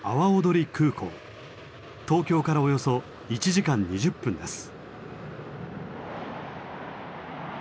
東京からおよそ１時間２０分です。